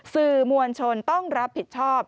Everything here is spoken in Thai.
สื่อมวลชนต้องรับผิดชอบ